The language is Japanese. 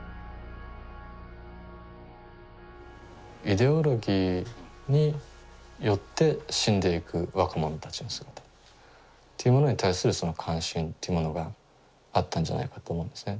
イデオロギーによって死んでいく若者たちの姿っていうものに対するその関心っていうものがあったんじゃないかと思うんですね。